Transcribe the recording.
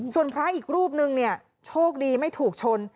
ส่วนพระอีกรูปนึงเนี่ยโชคดีไม่ถูกชน